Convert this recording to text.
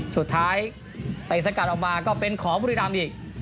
สุดท้ายเตะสกัดออกมาก็เป็นขอบุธิรัมณ์อีก